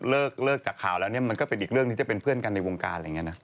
เลิกจากข่าวแล้วเนี่ยมันก็เป็นอีกเรื่องที่จะเป็นเพื่อนกันในวงการอะไรอย่างนี้นะ